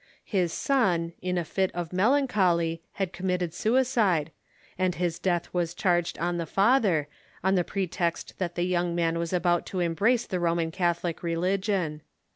His son, in a fit of melancholy, had committed suicide, and his death The Calas ^^^^ charged on the father, on the pretext that the young man was about to embrace the Roman Catho lic religion.